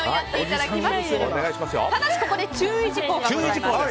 ただし、ここで注意事項がございます。